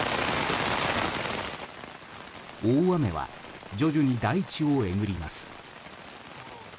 大雨は徐々に大地をえぐります。